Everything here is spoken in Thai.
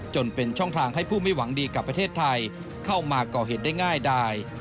จนเป็นช่องทางให้ผู้ไม่หวังดีกับประเทศไทยเข้ามาก่อเหตุได้ง่ายดาย